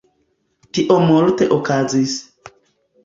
Tio multe okazis